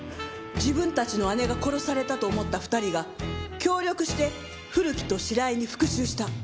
自分たちの姉が殺されたと思った２人が協力して古木と白井に復讐した。